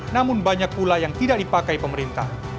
namun banyak pula yang tidak dipakai pemerintah